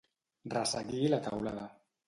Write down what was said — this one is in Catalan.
Resseguir la teulada.